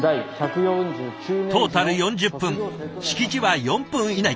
トータル４０分式辞は４分以内。